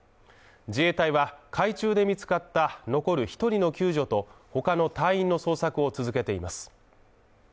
自衛隊は海中で見つかった残る１人の救助と他の隊員の捜索を続けています。